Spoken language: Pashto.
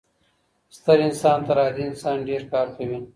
ستر انسان تر عادي انسان ډیر کار کوي.